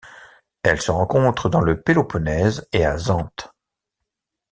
Elle se rencontre dans le Péloponnèse et à Zante.